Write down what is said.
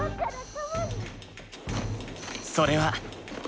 それは。